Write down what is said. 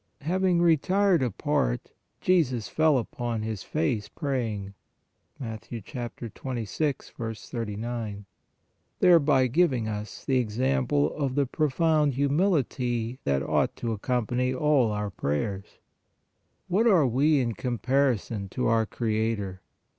Having retired apart, Jesus " fell upon His face 182 PRAYER praying" (Mat. 26. 39), thereby giving us the ex ample of the profound humility that ought to accom pany all our prayers. What are we in comparison to our Creator?